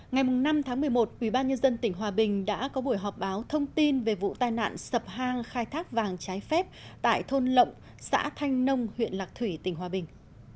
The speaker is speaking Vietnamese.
ngày năm tháng một mươi một ubnd tỉnh hòa bình đã có buổi họp báo thông tin về vụ tai nạn sập hang khai thác vàng trái phép tại thôn lộng xã thanh nông huyện lạc thủy tỉnh hòa bình